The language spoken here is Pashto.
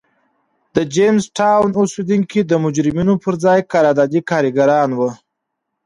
د جېمز ټاون اوسېدونکي د مجرمینو پر ځای قراردادي کارګران وو.